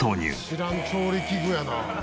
知らん調理器具やな。